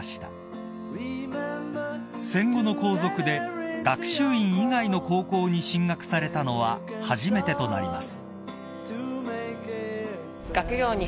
［戦後の皇族で学習院以外の高校に進学されたのは初めてとなります］